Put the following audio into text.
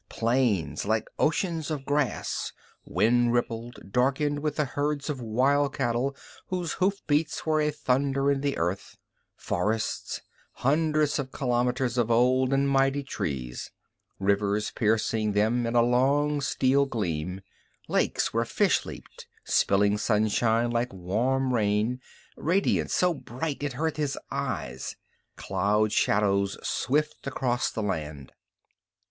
Plains like oceans of grass, wind rippled, darkened with the herds of wild cattle whose hoofbeats were a thunder in the earth; forests, hundreds of kilometers of old and mighty trees, rivers piercing them in a long steel gleam; lakes where fish leaped; spilling sunshine like warm rain, radiance so bright it hurt his eyes, cloud shadows swift across the land.